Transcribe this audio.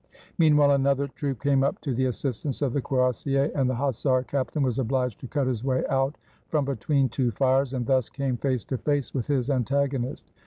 Meanwhile another troop came up to the assistance of the cuirassiers, and the hussar captain was obliged to cut his way out from between two fires, and thus came face to face with his antagonist.